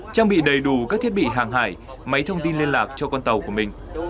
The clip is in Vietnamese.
trang bị đầy đủ các thiết bị hàng hải máy thông tin liên lạc cho con tàu của mình